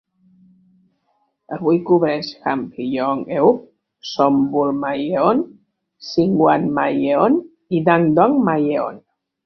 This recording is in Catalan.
Avui cobreix Hampyeong-eub, Sonbul-myeon, Singwang-myeon i Dadong-myeon.